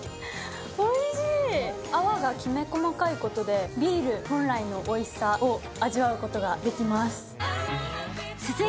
泡がきめ細かいことでビール本来のおいしさを味わうことができつず。